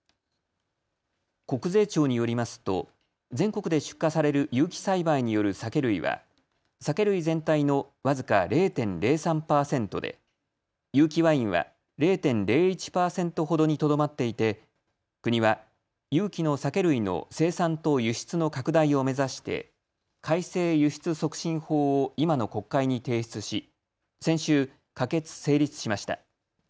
国税庁によりますと全国で出荷される有機栽培による酒類は酒類全体の僅か０．０３％で有機ワインは０．０１％ほどにとどまっていて国は有機の酒類の生産と輸出の拡大を目指して改正輸出促進法を今の国会に提出し先週、可決・成立しました。